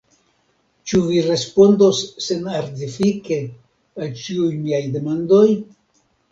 Ĉu vi respondos senartifike al ĉiuj miaj demandoj?